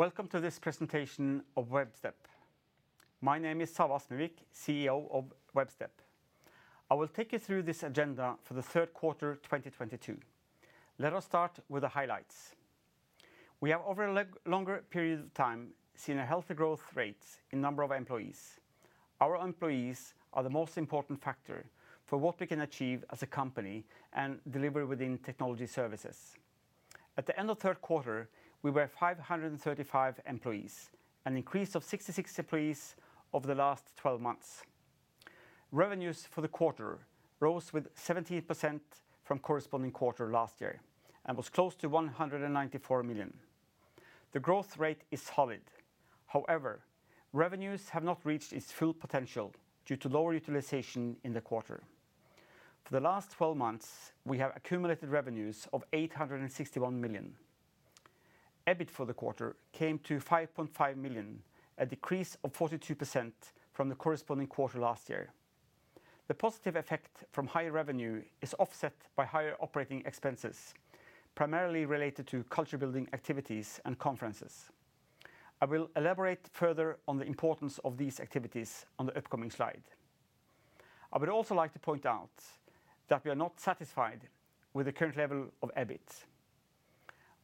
Welcome to this presentation of Webstep. My name is Save Asmervik, CEO of Webstep. I will take you through this agenda for the Q3 of 2022. Let us start with the highlights. We have over a longer period of time seen a healthy growth rate in the number of employees. Our employees are the most important factor for what we can achieve as a company and deliver within technology services. At the end of Q3, we were 535 employees, an increase of 66 employees over the last twelve months. Revenues for the quarter rose 17% from corresponding quarter last year and was close to 194 million. The growth rate is solid. However, revenues have not reached its full potential due to lower utilization in the quarter. For the last twelve months, we have accumulated revenues of 861 million. EBIT for the quarter came to 5.5 million, a decrease of 42% from the corresponding quarter last year. The positive effect from higher revenue is offset by higher operating expenses, primarily related to culture-building activities and conferences. I will elaborate further on the importance of these activities on the upcoming slide. I would also like to point out that we are not satisfied with the current level of EBIT.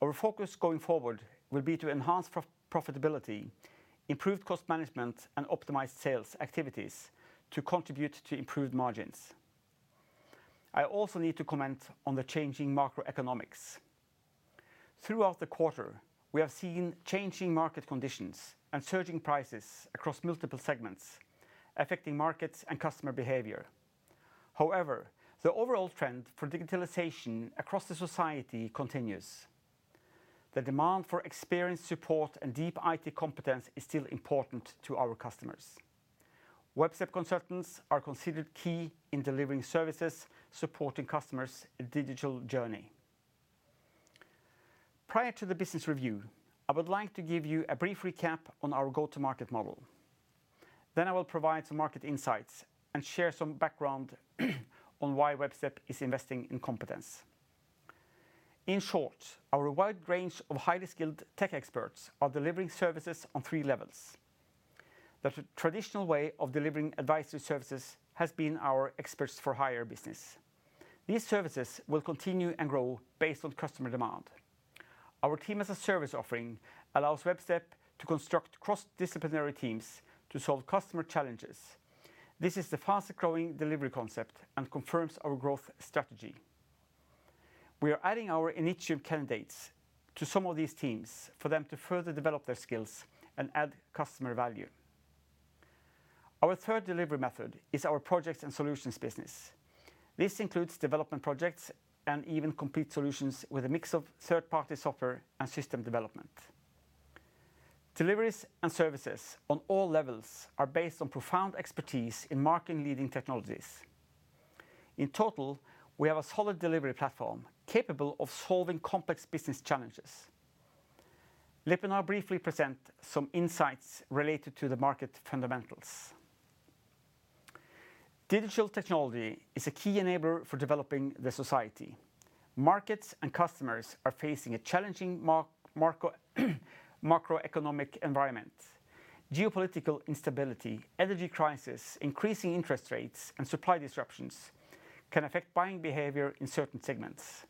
Our focus going forward will be to enhance profitability, improve cost management, and optimize sales activities to contribute to improved margins. I also need to comment on the changing macroeconomics. Throughout the quarter, we have seen changing market conditions and surging prices across multiple segments, affecting markets and customer behavior. However, the overall trend for digitalization across society continues. The demand for experienced support and deep IT competence is still important to our customers. Webstep consultants are considered key in delivering services supporting customers' digital journey. Prior to the business review, I would like to give you a brief recap on our go-to-market model. I will provide some market insights and share some background on why Webstep is investing in competence. In short, our wide range of highly skilled tech experts is delivering services on three levels. The traditional way of delivering advisory services has been our experts-for-hire business. These services will continue and grow based on customer demand. Our Team as a Service offering allows Webstep to construct cross-disciplinary teams to solve customer challenges. This is the fastest-growing delivery concept and confirms our growth strategy. We are adding our Initium candidates to some of these teams for them to further develop their skills and add customer value. Our third delivery method is our projects and solutions business. This includes development projects and even complete solutions with a mix of third-party software and system development. Deliveries and services on all levels are based on profound expertise in market-leading technologies. In total, we have a solid delivery platform capable of solving complex business challenges. Let me now briefly present some insights related to the market fundamentals. Digital technology is a key enabler for a developing society. Markets and customers are facing a challenging macroeconomic environment. Geopolitical instability, energy crisis, increasing interest rates, and supply disruptions can affect buying behavior in certain segments.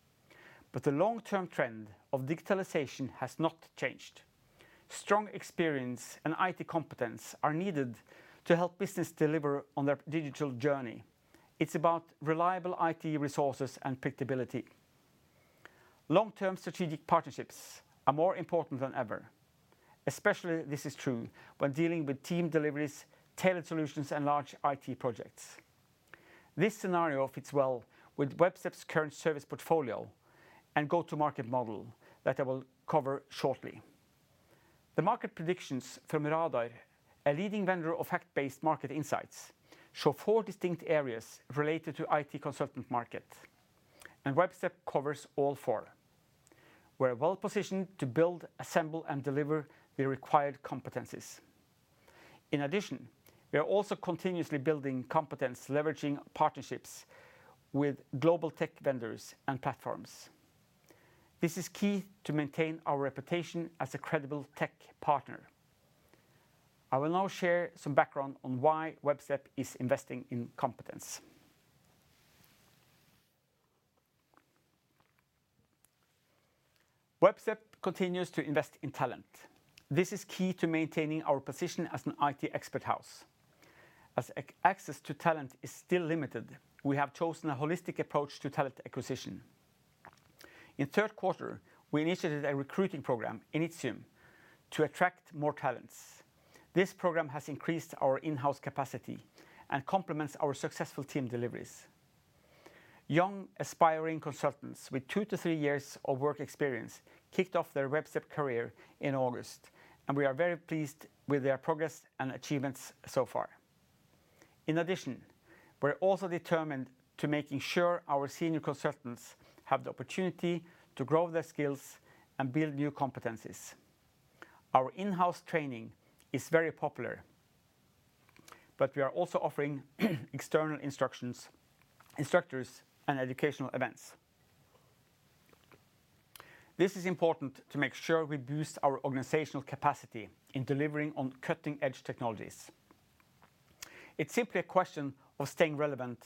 The long-term trend of digitalization has not changed. Strong experience and IT competence are needed to help business deliver on their digital journey. It's about reliable IT resources and predictability. Long-term strategic partnerships are more important than ever, especially this is true when dealing with team deliveries, tailored solutions, and large IT projects. This scenario fits well with Webstep's current service portfolio and go-to-market model that I will cover shortly. The market predictions from Radar, a leading vendor of fact-based market insights, show four distinct areas related to IT consultant market, and Webstep covers all four. We're well-positioned to build, assemble, and deliver the required competencies. In addition, we are also continuously building competence, leveraging partnerships with global tech vendors and platforms. This is key to maintaining our reputation as a credible tech partner. I will now share some background on why Webstep is investing in competence. Webstep continues to invest in talent. This is key to maintaining our position as an IT expert house. As access to talent is still limited, we have chosen a holistic approach to talent acquisition. In Q3, we initiated a recruiting program, Initium, to attract more talent. This program has increased our in-house capacity and complements our successful team deliveries. Young aspiring consultants with 2-3 years of work experience kicked off their Webstep career in August, and we are very pleased with their progress and achievements so far. In addition, we're also determined to making sure our senior consultants have the opportunity to grow their skills and build new competencies. Our in-house training is very popular. We are also offering external instructions, instructors, and educational events. This is important to make sure we boost our organizational capacity in delivering on cutting-edge technologies. It's simply a question of staying relevant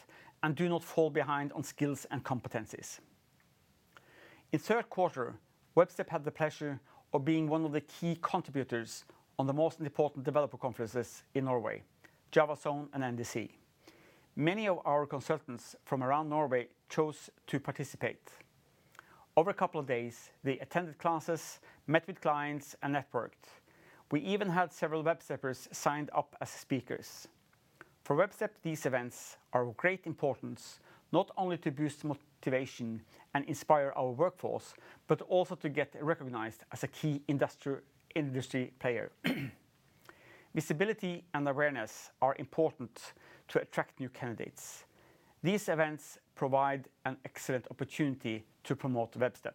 and do not fall behind on skills and competencies. In Q3, Webstep had the pleasure of being one of the key contributors on the most important developer conferences in Norway, JavaZone and NDC. Many of our consultants from around Norway chose to participate. Over a couple of days, they attended classes, met with clients, and networked. We even had several Websteppers sign up as speakers. For Webstep, these events are of great importance, not only to boost motivation and inspire our workforce, but also to get recognized as a key industry player. Visibility and awareness are important to attract new candidates. These events provide an excellent opportunity to promote Webstep.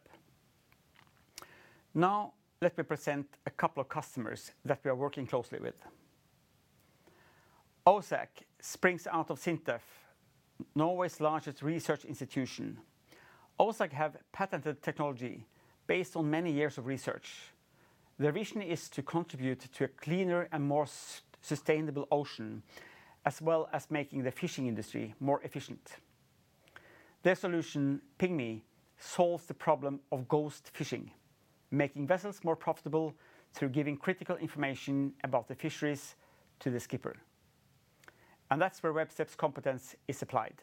Now, let me present a couple of customers that we are working closely with. OSAC springs out of SINTEF, Norway's largest research institution. OSAC have patented technology based on many years of research. Their vision is to contribute to a cleaner and more sustainable ocean, as well as making the fishing industry more efficient. Their solution, PingMe, solves the problem of ghost fishing, making vessels more profitable through giving critical information about the fisheries to the skipper. That's where Webstep's competence is applied.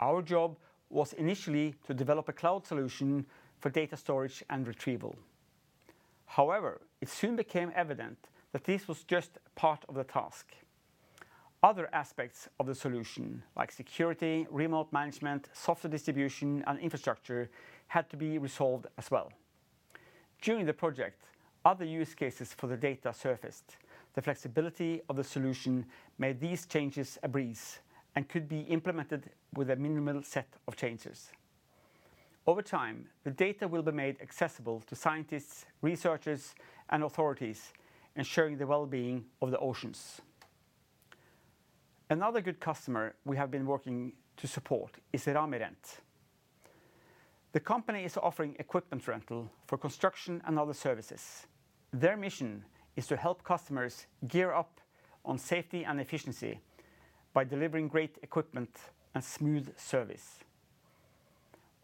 Our job was initially to develop a cloud solution for data storage and retrieval. However, it soon became evident that this was just part of the task. Other aspects of the solution, like security, remote management, software distribution, and infrastructure, had to be resolved as well. During the project, other use cases for the data surfaced. The flexibility of the solution made these changes a breeze and could be implemented with a minimal set of changes. Over time, the data will be made accessible to scientists, researchers, and authorities, ensuring the well-being of the oceans. Another good customer we have been working to support is Ramirent. The company is offering equipment rental for construction and other services. Their mission is to help customers gear up on safety and efficiency by delivering great equipment and smooth service.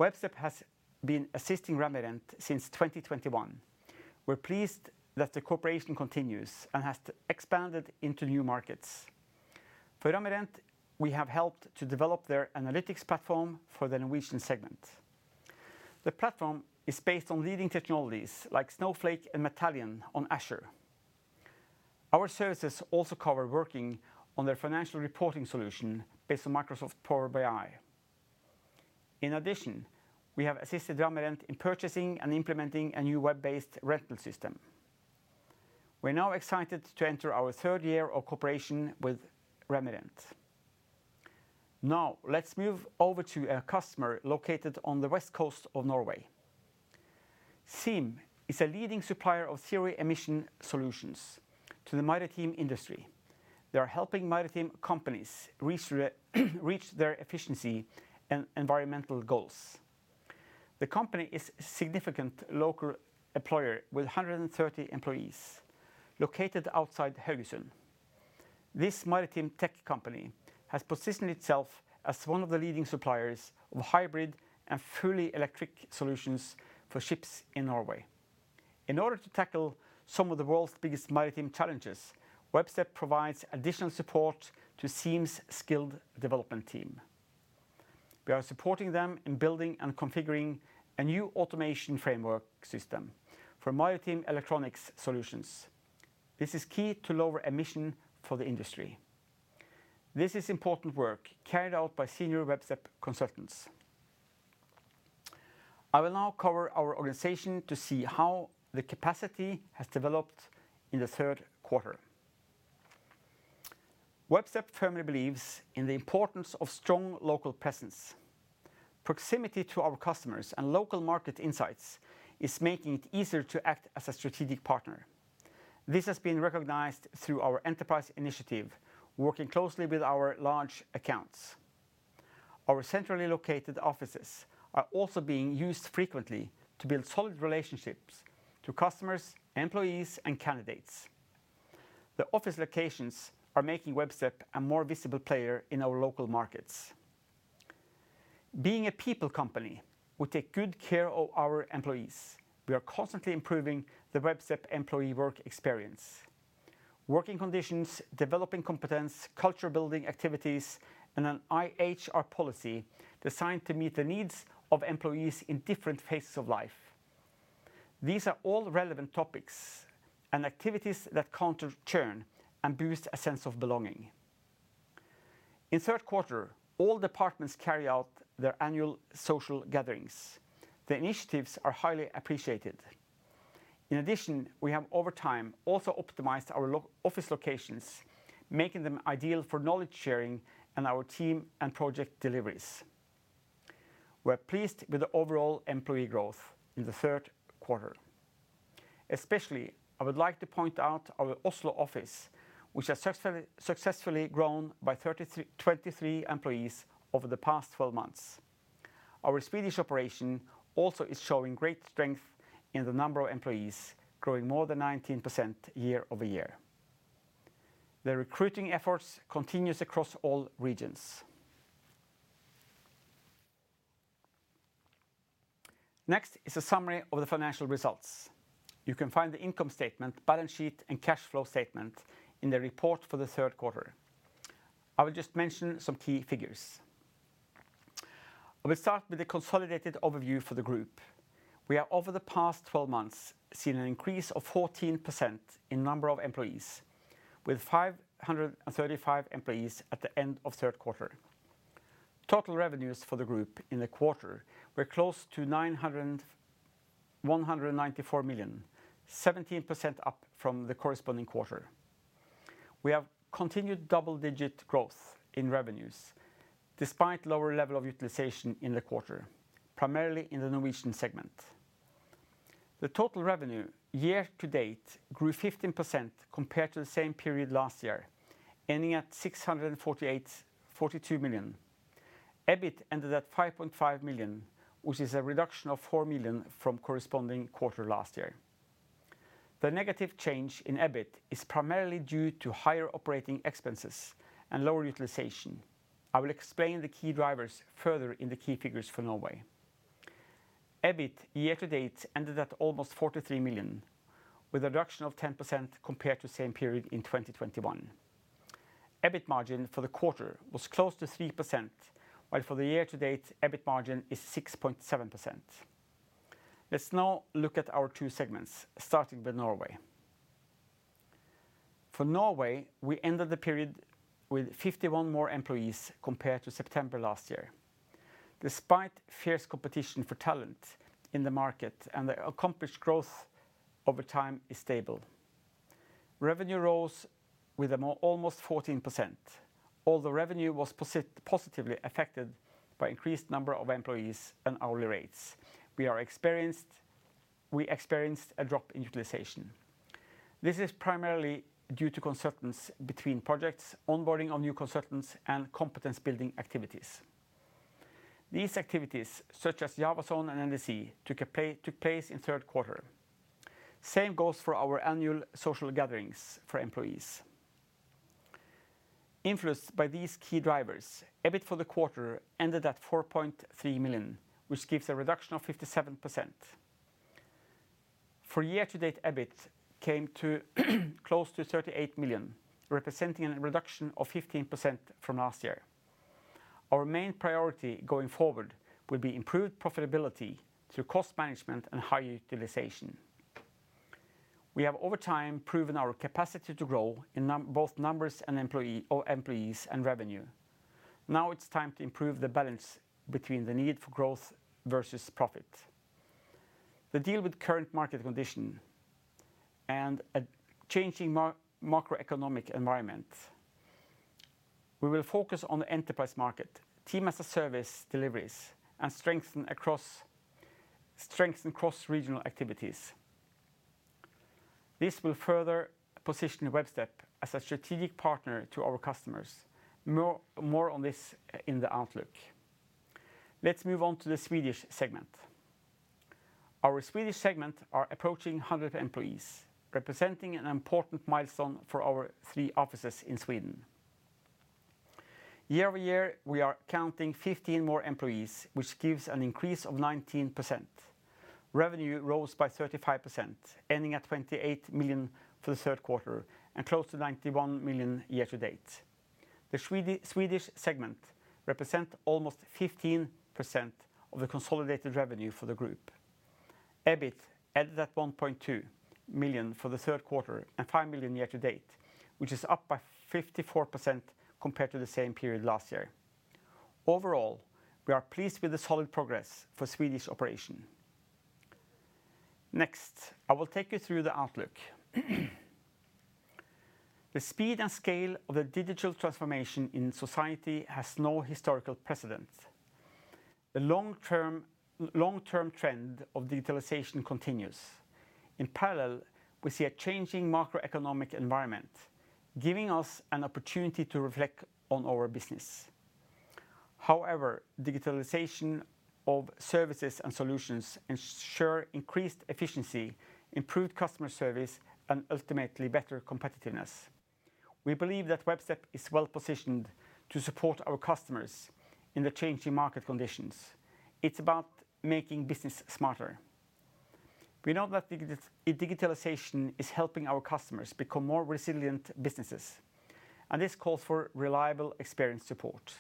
Webstep has been assisting Ramirent since 2021. We're pleased that the cooperation continues and has expanded into new markets. For Ramirent, we have helped to develop their analytics platform for the Norwegian segment. The platform is based on leading technologies like Snowflake and Matillion on Azure. Our services also cover working on their financial reporting solution based on Microsoft Power BI. In addition, we have assisted Ramirent in purchasing and implementing a new web-based rental system. We're now excited to enter our third year of cooperation with Ramirent. Now let's move over to a customer located on the west coast of Norway. SEAM is a leading supplier of zero-emission solutions to the maritime industry. They are helping maritime companies reach their efficiency and environmental goals. The company is significant local employer with 130 employees located outside Haugesund. This maritime tech company has positioned itself as one of the leading suppliers of hybrid and fully electric solutions for ships in Norway. In order to tackle some of the world's biggest maritime challenges, Webstep provides additional support to SEAM's skilled development team. We are supporting them in building and configuring a new automation framework system for maritime electronics solutions. This is key to lower emissions for the industry. This is important work carried out by senior Webstep consultants. I will now cover our organization to see how the capacity has developed in Q3. Webstep firmly believes in the importance of strong local presence. Proximity to our customers and local market insights is making it easier to act as a strategic partner. This has been recognized through our enterprise initiative, working closely with our large accounts. Our centrally located offices are also being used frequently to build solid relationships to customers, employees, and candidates. The office locations are making Webstep a more visible player in our local markets. Being a people company, we take good care of our employees. We are constantly improving the Webstep employee work experience. Working conditions, developing competence, culture-building activities, and an HR policy designed to meet the needs of employees in different phases of life. These are all relevant topics and activities that counter churn and boost a sense of belonging. In Q3, all departments carry out their annual social gatherings. The initiatives are highly appreciated. In addition, we have over time also optimized our office locations, making them ideal for knowledge-sharing and our team and project deliveries. We're pleased with the overall employee growth in the Q3. Especially, I would like to point out our Oslo office, which has successfully grown by 23 employees over the past 12 months. Our Swedish operation also is showing great strength in the number of employees, growing more than 19% year-over-year. The recruiting efforts continues across all regions. Next is a summary of the financial results. You can find the income statement, balance sheet, and cash flow statement in the report for the Q3. I will just mention some key figures. I will start with a consolidated overview for the group. We have, over the past 12 months, seen an increase of 14% in number of employees, with 535 employees at the end of Q3. Total revenues for the group in the quarter were close to 919.4 million, 17% up from the corresponding quarter. We have continued double-digit growth in revenues despite lower level of utilization in the quarter, primarily in the Norwegian segment. The total revenue year to date grew 15% compared to the same period last year, ending at 642 million. EBIT ended at 5.5 million, which is a reduction of 4 million from corresponding quarter last year. The negative change in EBIT is primarily due to higher operating expenses and lower utilization. I will explain the key drivers further in the key figures for Norway. EBIT year to date ended at almost 43 million, with a reduction of 10% compared to the same period in 2021. EBIT margin for the quarter was close to 3%, while for the year to date, EBIT margin is 6.7%. Let's now look at our two segments, starting with Norway. For Norway, we ended the period with 51 more employees compared to September last year. Despite fierce competition for talent in the market and the accomplished growth over time is stable. Revenue rose with almost 14%. Although revenue was positively affected by increased number of employees and hourly rates, we experienced a drop in utilization. This is primarily due to consultants between projects, onboarding of new consultants, and competence-building activities. These activities, such as JavaZone and NDC, took place in Q3. Same goes for our annual social gatherings for employees. Influenced by these key drivers, EBIT for the quarter ended at 4.3 million, which gives a reduction of 57%. For year to date, EBIT came to close to 38 million, representing a reduction of 15% from last year. Our main priority going forward will be improved profitability through cost management and high utilization. We have over time proven our capacity to grow in both numbers and employees and revenue. Now it's time to improve the balance between the need for growth versus profit. To deal with current market conditions and a changing macroeconomic environment, we will focus on the enterprise market, Team as a Service deliveries, and strengthen cross-regional activities. This will further position Webstep as a strategic partner to our customers. More on this in the outlook. Let's move on to the Swedish segment. Our Swedish segment is approaching 100 employees, representing an important milestone for our three offices in Sweden. Year-over-year, we are counting 15 more employees, which gives an increase of 19%. Revenue rose by 35%, ending at 28 million for the Q3 and close to 91 million year to date. The Swedish segment represent almost 15% of the consolidated revenue for the group. EBIT ended at 1.2 million for the Q3 and 5 million year to date, which is up by 54% compared to the same period last year. Overall, we are pleased with the solid progress for Swedish operation. Next, I will take you through the outlook. The speed and scale of the digital transformation in society has no historical precedent. The long-term trend of digitalization continues. In parallel, we see a changing macroeconomic environment, giving us an opportunity to reflect on our business. However, digitalization of services and solutions ensure increased efficiency, improved customer service, and ultimately better competitiveness. We believe that Webstep is well-positioned to support our customers in the changing market conditions. It's about making business smarter. We know that digitalization is helping our customers become more resilient businesses, and this calls for reliable experience support.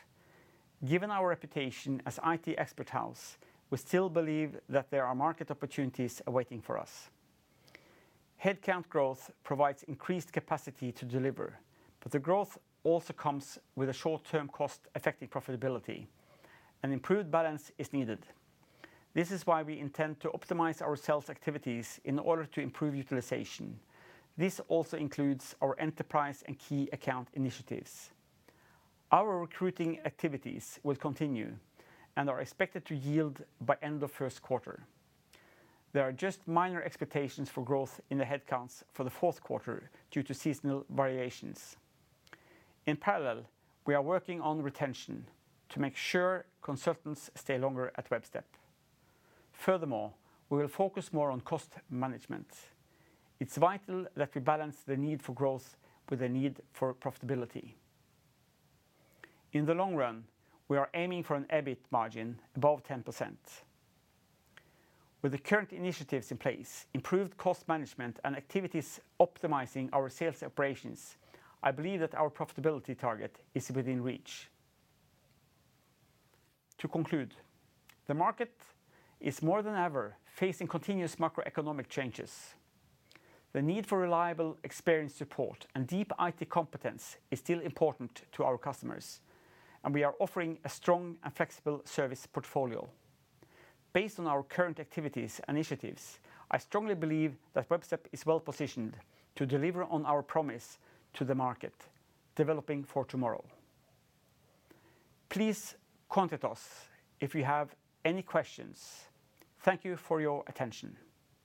Given our reputation as IT expert house, we still believe that there are market opportunities waiting for us. Headcount growth provides increased capacity to deliver, but the growth also comes with a short-term cost affecting profitability. An improved balance is needed. This is why we intend to optimize our sales activities in order to improve utilization. This also includes our enterprise and key account initiatives. Our recruiting activities will continue and are expected to yield by end of first quarter. There are just minor expectations for growth in the headcounts for the fourth quarter due to seasonal variations. In parallel, we are working on retention to make sure consultants stay longer at Webstep. Furthermore, we will focus more on cost management. It's vital that we balance the need for growth with the need for profitability. In the long run, we are aiming for an EBIT margin above 10%. With the current initiatives in place, improved cost management, and activities optimizing our sales operations, I believe that our profitability target is within reach. To conclude, the market is more than ever facing continuous macroeconomic changes. The need for reliable experience support and deep IT competence is still important to our customers, and we are offering a strong and flexible service portfolio. Based on our current activities initiatives, I strongly believe that Webstep is well-positioned to deliver on our promise to the market, developing for tomorrow. Please contact us if you have any questions. Thank you for your attention.